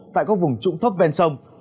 tại các vùng trụng thấp ven sông